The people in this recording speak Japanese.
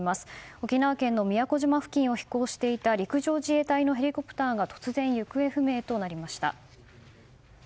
沖縄県の宮古島付近を飛行していた陸上自衛隊のヘリコプターが突然、行方不明となりました。